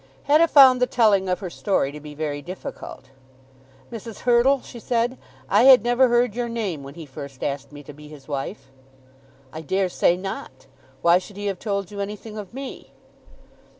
Hetta found the telling of her story to be very difficult. "Mrs. Hurtle," she said, "I had never heard your name when he first asked me to be his wife." "I dare say not. Why should he have told you anything of me?"